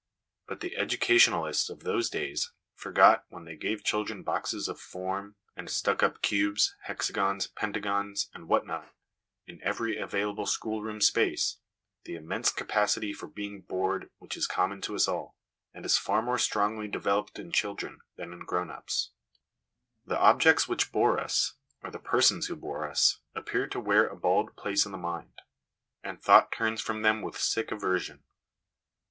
But the education alists of those days forgot, when they gave children boxes of ' form ' and stuck up cubes, hexagons, penta gons, and what not, in every available schoolroom space, the immense capacity for being bored which is common to us all, and is far more strongly developed in children than in grown up people. The objects which bore us, or the persons who bore us, appear to wear a bald place in the mind, and thought turns from them with sick aversion.